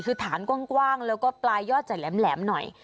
คือฐานกว้างกว้างแล้วก็ปลายยอดจะแหลมแหลมหน่อย